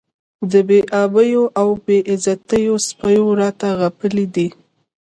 د بې آبیو او بې عزتیو سپو راته غپلي دي.